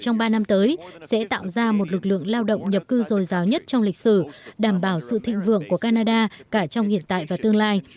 trong ba năm tới sẽ tạo ra một lực lượng lao động nhập cư dồi dào nhất trong lịch sử đảm bảo sự thịnh vượng của canada cả trong hiện tại và tương lai